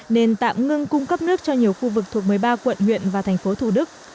nên tạm ngưng cung cấp nước cho nhiều khu vực thuộc một mươi ba quận huyện và thành phố thủ đức